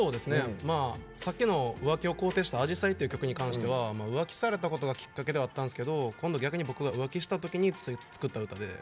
さっきの浮気を肯定した「紫陽花」という曲に関しては浮気されたことがきっかけではあったんですけど今度、逆に僕が浮気したときに作った歌で。